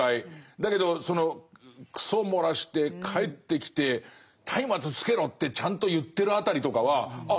だけどその糞洩らして帰ってきてたいまつつけろってちゃんと言ってるあたりとかはあ